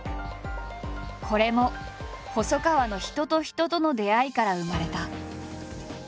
これも細川の「人と人との出会い」から生まれた。